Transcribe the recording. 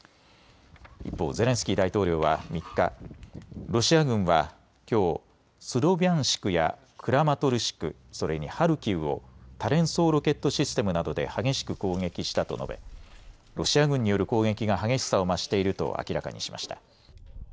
一方、ゼレンスキー大統領は３日、ロシア軍はきょうスロビャンシクやクラマトルシク、それにハルキウを多連装ロケットシステムなどで激しく攻撃したと述べロシア軍による攻撃が激しさを増していると明らかにしました。